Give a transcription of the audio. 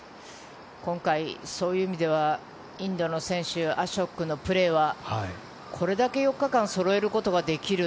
今回、そういう意味では、インドの選手、アショクのプレーはこれだけ４日間そろえることができる。